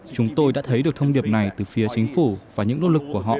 chúng tôi đã thấy được thông điệp này từ phía chính phủ và những nỗ lực của họ